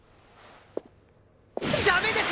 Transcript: ダメです！